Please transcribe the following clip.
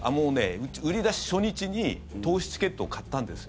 売り出し初日に通しチケットを買ったんです。